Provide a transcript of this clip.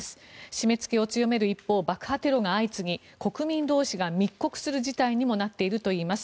締めつけを強める一方爆破テロが相次ぎ、国民同士が密告する事態となっています。